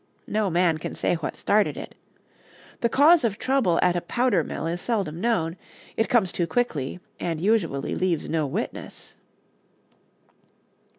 No man can say what started it. The cause of trouble at a powder mill is seldom known; it comes too quickly, and usually leaves no witness.